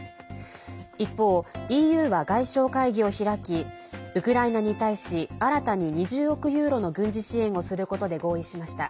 一方、ＥＵは外相会議を開きウクライナに対し新たに２０億ユーロの軍事支援をすることで合意しました。